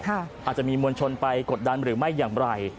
อาจจะมีมวลชนไปกดดันหรือไม่อย่างไร